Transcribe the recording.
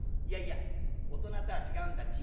「いやいや大人とは違うんだ。